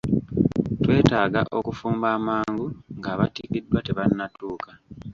Twetaaga okufumba amangu ng'abatikiddwa tebannatuuka.